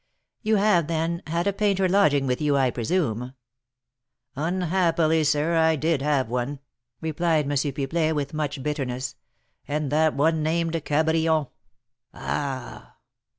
"You have, then, had a painter lodging with you, I presume?" "Unhappily, sir, I did have one," replied M. Pipelet, with much bitterness, "and that one named Cabrion. Ah!"